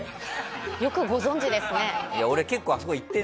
よくご存じですね。